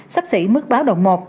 sắp xỉ mức báo động một